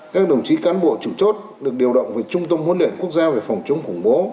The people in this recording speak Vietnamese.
các đồng chí cán bộ chủ chốt được điều động về trung tâm huấn luyện quốc gia về phòng chống khủng bố